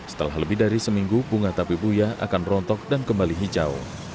setelah lebih dari seminggu bunga tabibuya akan rontok dan kembali hijau